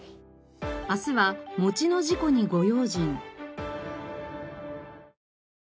明日はもちの事故にご用心。